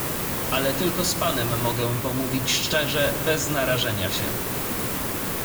"Ale tylko z panem mogę pomówić szczerze, bez narażenia się."